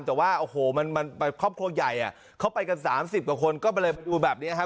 แต่ว่าโอ้โหมันครอบครัวใหญ่เขาไปกัน๓๐กว่าคนก็เลยแบบนี้ครับ